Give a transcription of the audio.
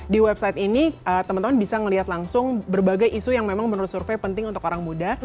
di website ini teman teman bisa melihat langsung berbagai isu yang memang menurut survei penting untuk orang muda